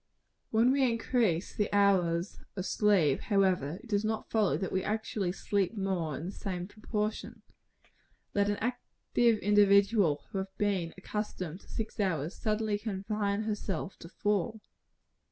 When we increase the hours of sleep, however, it does not follow that we actually sleep more in the same proportion. Let an active individual, who has been accustomed to six hours, suddenly confine herself to four.